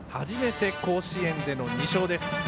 初めて甲子園での２勝です。